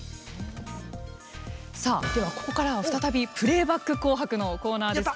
ここからは再びプレーバック「紅白」のコーナー。